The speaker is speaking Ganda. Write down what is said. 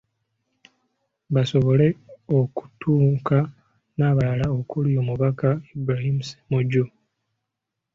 Basobole okuttunka n’abalala okuli omubaka Ibrahim Ssemujju.